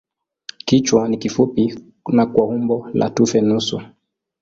Kichwa ni kifupi na kwa umbo la tufe nusu.